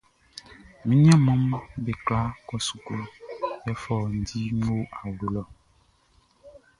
Mi mmaʼm be kwla kɔ suklu, yɛ fɔundi o mi awlo lɔ.